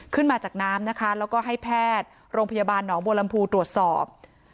ขึ้นมาจากน้ำนะคะแล้วก็ให้แพทย์โรงพยาบาลหนองบัวลำพูตรวจสอบ